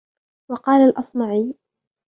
وَقَالَ الْأَصْمَعِيُّ